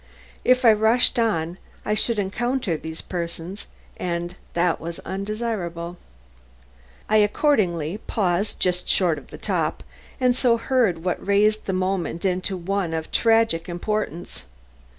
If I rushed on I should encounter these persons, and this was undesirable. I accordingly paused just short of the top, and so heard what raised the moment into one of tragic importance.